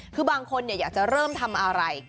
คือบางคนอยากจะเริ่มทำอะไร